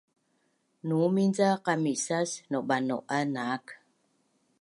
Numin ca qamisas naubanau’az naak